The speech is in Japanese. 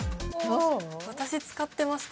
私使ってました。